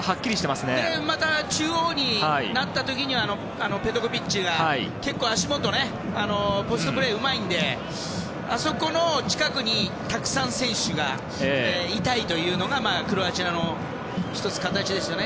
また中央になった時にはペトコビッチが結構足元ポストプレーうまいんであそこの近くにたくさん選手がいたいというのがクロアチアの１つ、形ですよね。